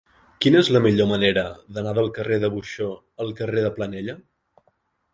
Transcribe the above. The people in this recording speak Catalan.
Quina és la millor manera d'anar del carrer de Buxó al carrer de Planella?